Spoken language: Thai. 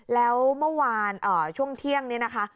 แล้วเมื่อวานช่วงเที่ยงนี้นะคะ